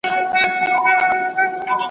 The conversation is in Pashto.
په دې لویه وداني کي توتکۍ وه `